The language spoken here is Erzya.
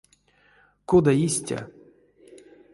Кода истя?